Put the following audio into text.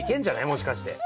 もしかして。